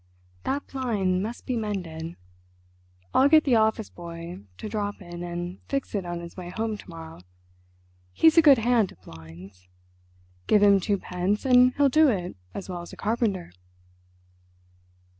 "That blind must be mended. I'll get the office boy to drop in and fix it on his way home to morrow—he's a good hand at blinds. Give him twopence and he'll do it as well as a carpenter....